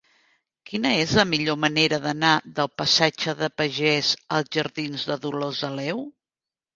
Quina és la millor manera d'anar del passatge de Pagès als jardins de Dolors Aleu?